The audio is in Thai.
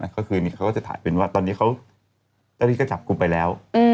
ก็คือนี้เขาก็จะถ่ายเป็นว่าตอนนี้เขาตอนนี้ก็จับกูไปแล้ว